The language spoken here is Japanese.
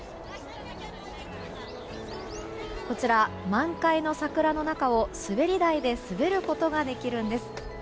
満開の桜の中を滑り台で滑ることができるんです。